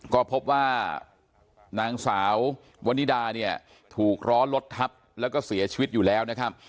ก็พบว่านางสาววันนิดาเนี่ยถูกล้อรถทับแล้วก็เสียชีวิตอยู่แล้วนะครับ